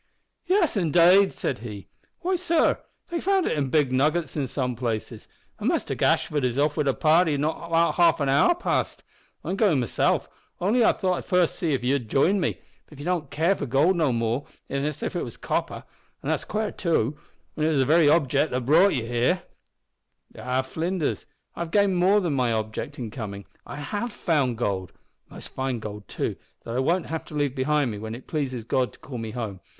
"Yes, indade," said he. "Why, sor, they've found it in big nuggets in some places, an' Muster Gashford is off wid a party not half an hour past. I'm goin' mesilf, only I thought I'd see first if ye wouldn't jine me; but ye don't seem to care for goold no more nor if it was copper; an that's quare, too, whin it was the very objec' that brought ye here." "Ah, Flinders, I have gained more than my object in coming. I have found gold most fine gold, too, that I won't have to leave behind me when it pleases God to call me home.